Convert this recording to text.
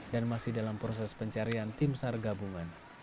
dan masih dalam proses pencarian tim sargabungan